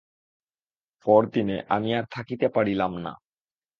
পরদিনে আমি আর থাকিতে পারিলাম না।